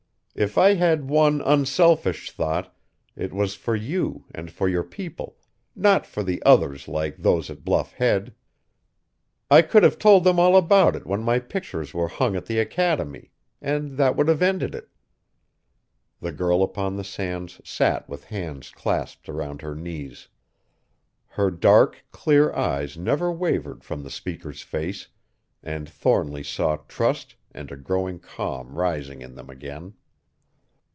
If I had one unselfish thought, it was for you and for your people, not for the others like those at Bluff Head. I could have told them all about it when my pictures were hung at the Academy; and that would have ended it." The girl upon the sands sat with hands clasped around her knees. Her dark, clear eyes never wavered from the speaker's face, and Thornly saw trust and a growing calm rising in them again.